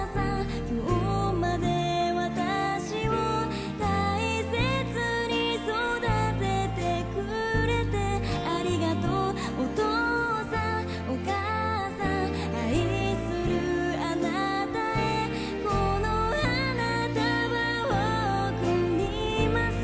今日まで私を大切に育ててくれてありがとうお父さんお母さん愛するあなたへこの花束を贈ります